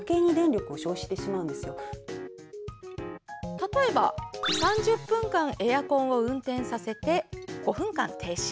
例えば、３０分間エアコンを運転させて５分間停止。